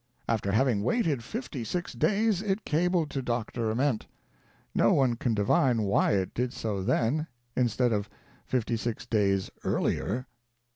After having waited fifty six days, it cabled to Dr. Ament. No one can divine why it did so then, instead of fifty six days earlier.